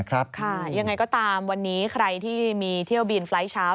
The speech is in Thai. ค่ะยังไงก็ตามวันนี้ใครที่มีเที่ยวบินไฟล์เช้า